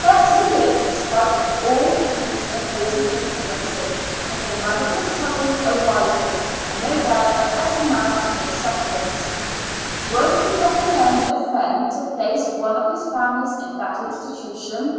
But he lived in spite of all these opposing influences, and came out of his troubles a wiser, and no doubt, a bet ter man, for his sufierings. Would he re commend a friend to place one of his fami ly in that institution